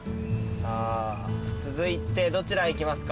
続いてどちら行きますか？